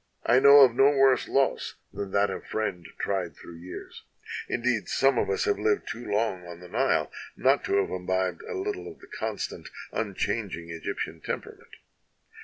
I know of no worse loss than that of a friend tried through years; indeed, some of us have lived too long on the Nile not to have imbibed a little of the constant, unchanging Egyptian temperament.